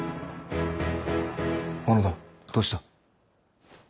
小野田どうした？